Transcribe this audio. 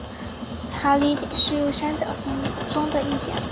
塔里点是三角形中的一点。